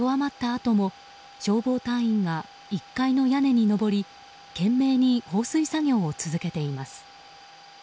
あとも消防隊員が１階の屋根に上り懸命に放水作業を続けています。